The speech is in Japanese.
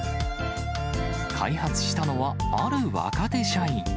開発したのはある若手社員。